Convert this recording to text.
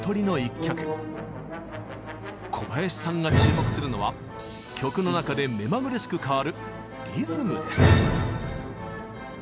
小林さんが注目するのは曲の中で目まぐるしく変わるリズムです。